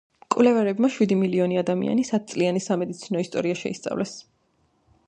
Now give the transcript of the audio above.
მკვლევარებმა შვიდი მილიონი ადამიანის ათწლიანი სამედიცინო ისტორია შეისწავლეს.